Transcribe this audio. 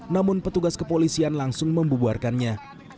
namun petugas kepolisian langsung membuarkannya